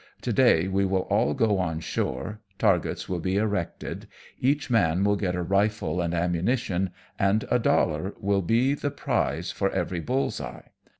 To day we will all go on shore, targets will be erected ; each man will get a rifle and' ammunition, and a dollar will be the prize for every bull's eye.